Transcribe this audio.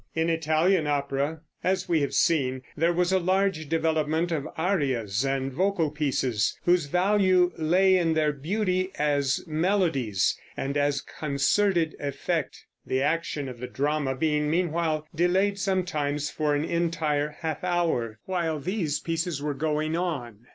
In Italian opera, as we have seen, there was a large development of arias and vocal pieces, whose value lay in their beauty as melodies and as concerted effect, the action of the drama being meanwhile delayed sometimes for an entire half hour, while these pieces were going on.